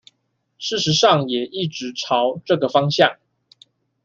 事實上也一直朝這個方向